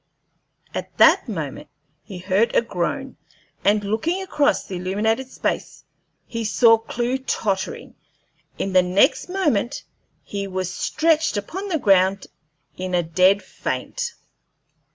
At that moment he heard a groan, and, looking across the illuminated space, he saw Clewe tottering. In the next moment he was stretched upon the ground in a dead faint.